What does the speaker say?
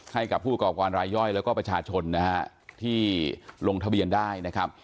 ให้กับผู้ประกอบการรายย่อยแล้วก็ประชาชนนะฮะที่ลงทะเบียนได้นะครับ